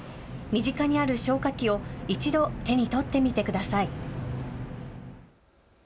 身近にある消火器を１度、手に取ってみてください。